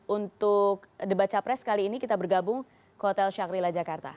untuk debat capres kali ini kita bergabung ke hotel syakrila jakarta